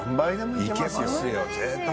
いけますよ